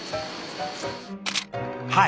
はい。